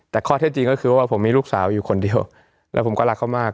แต่ข้อเท็จจริงก็คือว่าผมมีลูกสาวอยู่คนเดียวแล้วผมก็รักเขามาก